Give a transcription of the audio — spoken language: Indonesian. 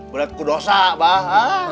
berat kudosa bah